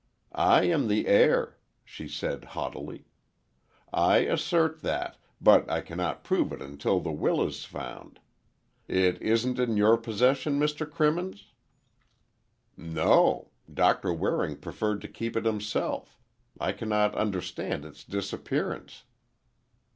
"I am the heir," she said haughtily. "I assert that—but I cannot prove it until the will is found. It isn't in your possession, Mr. Crimmins?" "No; Doctor Waring preferred to keep it himself. I cannot understand its disappearance."